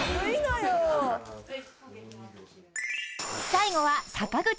［最後は］